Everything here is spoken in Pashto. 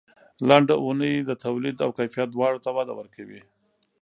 لنډه اونۍ د تولید او کیفیت دواړو ته وده ورکوي.